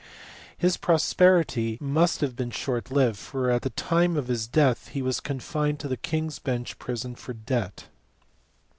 His prosperity must have been short lived, for at the time of his death he was confined in the King s Bench prison for debt.